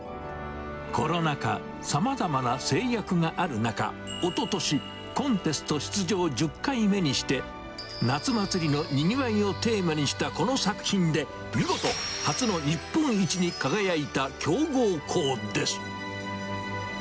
コロナ禍、さまざまな制約がある中、おととし、コンテスト出場１０回目にして、夏祭りのにぎわいをテーマにしたこの作品で見事、初の日本一に輝いた強豪校です。